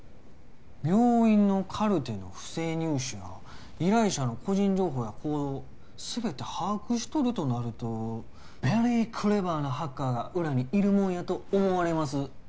病院のカルテの不正入手や依頼者の個人情報や行動全て把握しとるとなるとベリークレバーなハッカーが裏にいるもんやと思われます